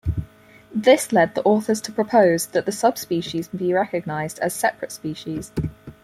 This led the authors to propose that the subspecies be recognised as separate species.